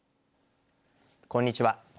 こんにちは。